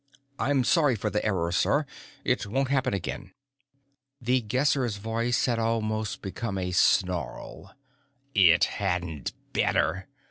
"I'm sorry for the error, sir; it won't happen again." The Guesser's voice almost became a snarl. "It hadn't better!